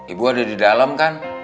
ibu ada di dalam kan